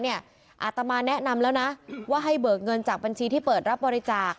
อาตมาแนะนำแล้วนะว่าให้เบิกเงินจากบัญชีที่เปิดรับบริจาค